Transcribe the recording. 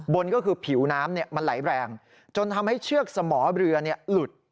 บนก็คือผิวน้ำมันไหลแรงจนทำให้เชือกสมอเรือหลุด